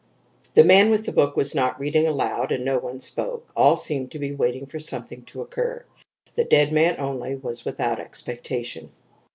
The man with the book was not reading aloud, and no one spoke; all seemed to be waiting for something to occur; the dead man only was without expectation.